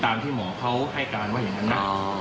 ที่หมอเขาให้การว่าอย่างนั้นนะ